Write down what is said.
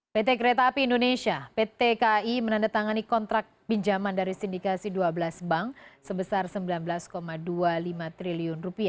pt kereta api indonesia pt kai menandatangani kontrak pinjaman dari sindikasi dua belas bank sebesar rp sembilan belas dua puluh lima triliun